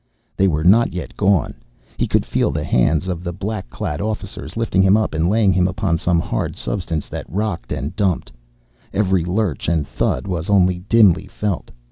They were not yet gone. He could feel the hands of the black clad officers lifting him up and laying him upon some hard substance that rocked and dumped. Every lurch and thud was only dimly felt.